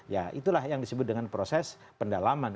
ya itulah yang disebut dengan proses pendalaman